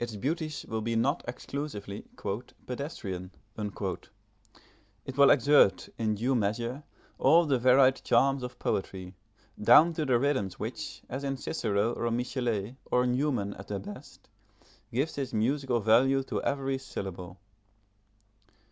Its beauties will be not exclusively "pedestrian": it will exert, in due measure, all the varied charms of poetry, down to the rhythm which, as in Cicero, or Michelet, or Newman, at their best, gives its musical value to every syllable.